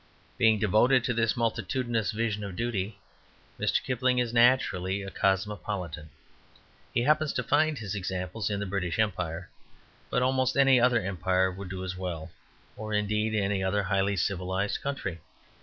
Being devoted to this multitudinous vision of duty, Mr. Kipling is naturally a cosmopolitan. He happens to find his examples in the British Empire, but almost any other empire would do as well, or, indeed, any other highly civilized country.